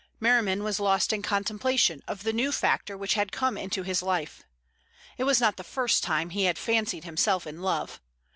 Merriman was lost in contemplation of the new factor which had come into his life. It was not the first time he had fancied himself in love.